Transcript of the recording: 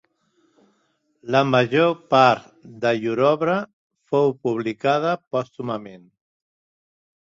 La major part de llur obra fou publicada pòstumament.